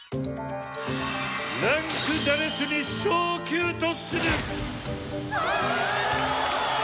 「位階『４』に昇級とする！」。